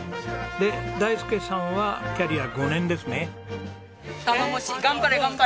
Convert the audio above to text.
で大介さんはキャリア５年ですね。